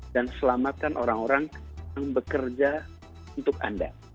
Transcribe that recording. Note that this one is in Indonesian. dan selamatkan orang orang yang bekerja untuk anda